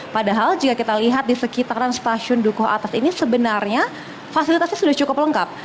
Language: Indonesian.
padahal jika kita lihat di sekitaran stasiun dukuh atas ini sebenarnya fasilitasnya sudah cukup lengkap